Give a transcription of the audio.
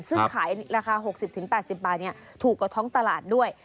ซึ่งขายราคา๖๐๘๐บาทถูกกว่าท้องตลาดด้วย